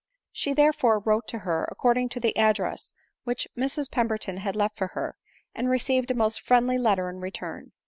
She, therefore, wrote to her according to the address which Mrs Pemberton had left for her, and received a most friendly letter in return.